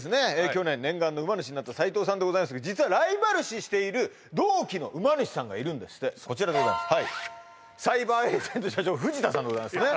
去年念願の馬主になった斉藤さんでございますが実はライバル視している同期の馬主さんがいるんですってこちらでございますサイバーエージェント社長藤田さんでございますね